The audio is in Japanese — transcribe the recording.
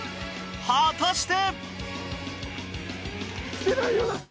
果たして！？